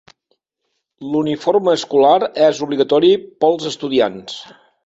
L'uniforme escolar és obligatori pels estudiants.